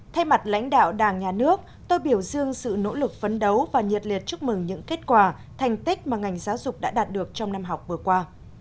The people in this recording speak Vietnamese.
thay mặt lãnh đạo đảng nhà nước tôi biểu dương sự nỗ lực phấn đấu và nhiệt liệt chúc mừng những kết quả thành tích mà ngành giáo dục đã đạt được trong năm học vừa qua